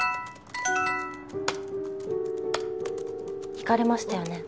聞かれましたよね？